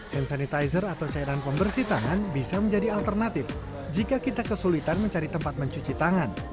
hand sanitizer atau cairan pembersih tangan bisa menjadi alternatif jika kita kesulitan mencari tempat mencuci tangan